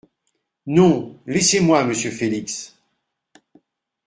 Non, laissez-moi, monsieur Félix !…